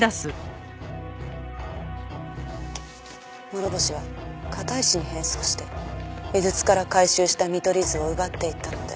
諸星は片石に変装して井筒から回収した見取り図を奪っていったので。